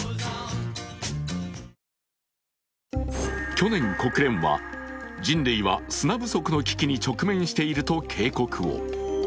去年、国連は人類は砂不足の危機に直面していると警告を。